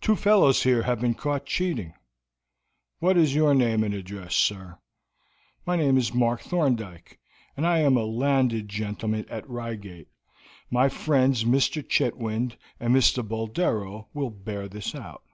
"Two fellows here have been caught cheating." "What is your name and address, sir?" "My name is Mark Thorndyke, and I am a landed gentleman at Reigate; my friends Mr. Chetwynd and Mr. Boldero will bear this out."